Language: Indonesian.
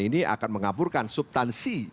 ini akan mengaburkan subtansi